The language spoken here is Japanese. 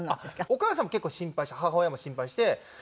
お母さんも結構心配して母親も心配して。